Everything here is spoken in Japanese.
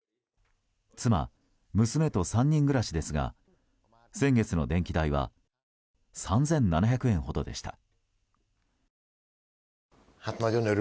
妻、娘と３人暮らしですが先月の電気代は３７００円ほどでした。